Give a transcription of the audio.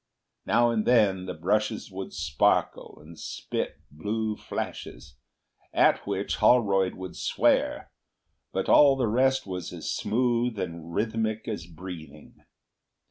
Now and then the brushes would sparkle and spit blue flashes, at which Holroyd would swear, but all the rest was as smooth and rhythmic as breathing.